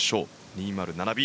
２０７Ｂ。